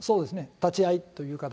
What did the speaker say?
立ち会いという形で。